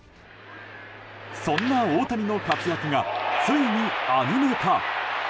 そんな大谷の活躍がついにアニメ化。